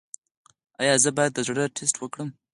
ایا زه باید د زړه ټسټ وکړم؟